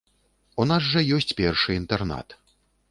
У нас жа ёсць першы інтэрнат.